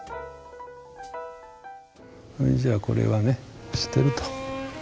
ほいじゃこれはね捨てると。